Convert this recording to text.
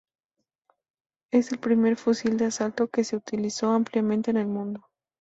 Es el primer fusil de asalto que se utilizó ampliamente en el mundo.